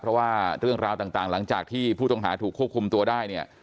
เพราะว่าเรื่องราวต่างหลังจากที่ผู้ต้องหาถูกควบคุมตัวได้เนี่ย